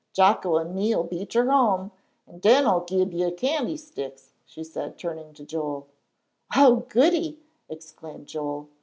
"Jocko an' me'll be ter home, an' den I'll gib you de candy sticks," she said, turning to Joel. "Oh, goody!" exclaimed Joel.